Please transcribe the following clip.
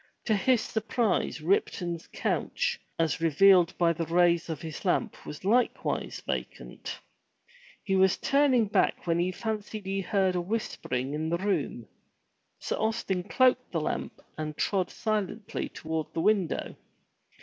To his surprise Ripton's couch as revealed by the rays of his lamp was likewise vacant. He was turning back when he fancied he heard whispering in the room. Sir Austin cloaked the lamp and trod silently toward the window.